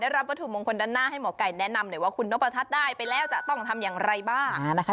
ได้รับถูกมงคลดันให้หมอก้ายแนะนำเลยว่าคุณนกประทัศน์ได้ไปแล้วจะต้องทำยังไรบ้าง